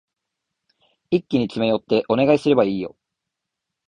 一気に詰め寄ってお願いすればいいよ。